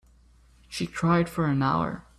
She cried for an hour.